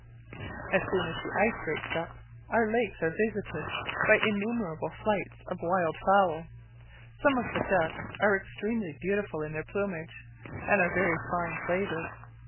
As soon as the ice breaks up, our lakes are visited by innumerable flights of wild fowl: some of the ducks are extremely beautiful in their plumage, and are very fine flavoured.